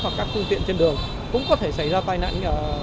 hoặc các phương tiện trên đường cũng có thể xảy ra tai nạn